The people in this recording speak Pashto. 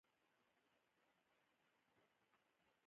هغوی د روغتیا او سلامتیا له پلوه ستونزه نه لرله.